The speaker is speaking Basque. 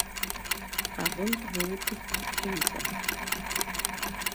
Arrunt burutik joan zen.